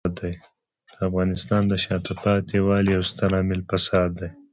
د افغانستان د شاته پاتې والي یو ستر عامل فساد دی.